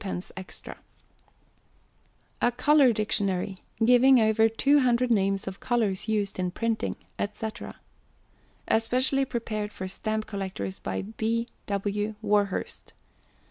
_A COLOUR DICTIONARY, GIVING OVER Two Hundred Names of Colours used in Printing, &c. Specially prepared for Stamp Collectors by B. W. WARHURST.